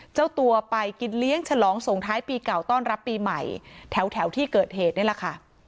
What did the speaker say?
เจ้าตัวไปกินเลี้ยงฉลองส่งท้ายปีเก่าต้อนรับปีใหม่แถวที่เกิดเหตุนี่แหละค่ะ